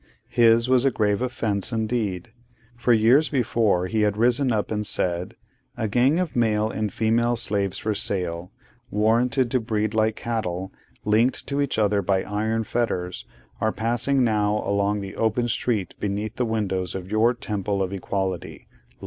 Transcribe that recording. His was a grave offence indeed; for years before, he had risen up and said, 'A gang of male and female slaves for sale, warranted to breed like cattle, linked to each other by iron fetters, are passing now along the open street beneath the windows of your Temple of Equality!